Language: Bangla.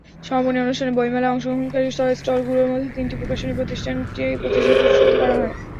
সমাপনী অনুষ্ঠানে বইমেলায় অংশগ্রহণকারী স্টলগুলোর মধ্যে তিনটি প্রকাশনী প্রতিষ্ঠানকে পুরস্কৃত করা হয়।